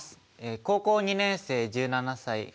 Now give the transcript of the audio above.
高校２年生１７歳。